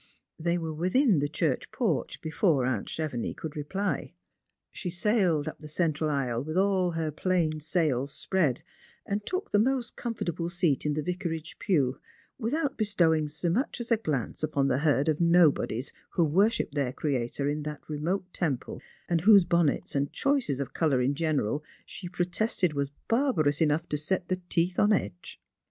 They were within the church porch before aunt Chevenii could reply. She sailed up the central aisle with all her plain 'jails spread, and took the most comfortable seat in the vicarage pew, without bestowing so much as a glance upon the herd of nobodies who worshipped their Creator in that remote temple, aud whose bonnets and choice of colours in general she protested was barbarous enough to set her teeth on edge.